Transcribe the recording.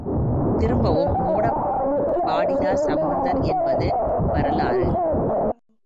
திரும்பவும் மூடப் பாடினார் சம்பந்தர் என்பது வரலாறு.